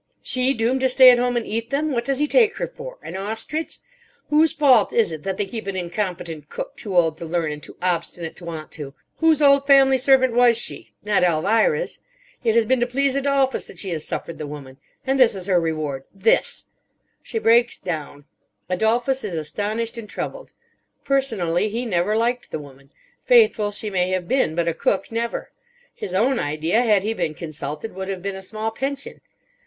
She, doomed to stay at home and eat them. What does he take her for? An ostrich? Whose fault is it that they keep an incompetent cook too old to learn and too obstinate to want to? Whose old family servant was she? Not Elvira's. It has been to please Adolphus that she has suffered the woman. And this is her reward. This! She breaks down. Adolphus is astonished and troubled. Personally he never liked the woman. Faithful she may have been, but a cook never. His own idea, had he been consulted, would have been a small pension.